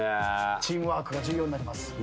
チームワークが重要になります。